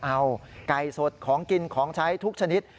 เอาไก่สดของกินของใช้ทุกชนิด